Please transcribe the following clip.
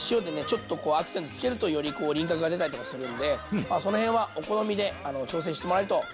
ちょっとこうアクセントつけるとより輪郭が出たりとかするんでその辺はお好みで調整してもらえるといいかなと思います。